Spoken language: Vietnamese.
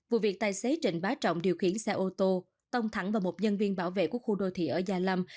vụ việc tài xế trịnh bá trọng điều khiển xe ô tô tông thẳng vào một nhân viên bảo vệ của khu đô thị ở gia lâm